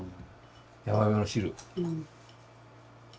山芋の汁。